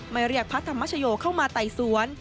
เรียกพระธรรมชโยเข้ามาไต่สวน